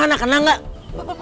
mana kena gak